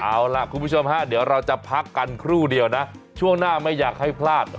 เอาล่ะคุณผู้ชมฮะเดี๋ยวเราจะพักกันครู่เดียวนะช่วงหน้าไม่อยากให้พลาด